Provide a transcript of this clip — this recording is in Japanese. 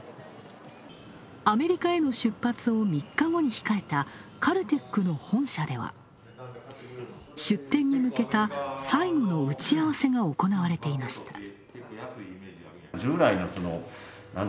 アメリカへの出発を３日後に控えたカルテックの本社では出展に向けた最後の打ち合わせが行われていました。